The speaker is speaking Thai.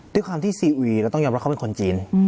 ด้วยความที่ซีอุยเราต้องยอมรับว่าเขาเป็นคนจีน